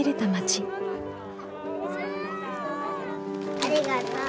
ありがとう。